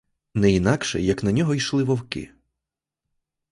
Не інакше, як на нього йшли вовки.